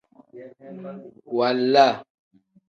Waala.